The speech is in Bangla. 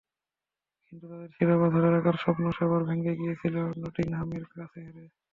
কিন্তু তাদের শিরোপা ধরে রাখার স্বপ্ন সেবার ভেঙে গিয়েছিল নটিংহামের কাছে হেরে।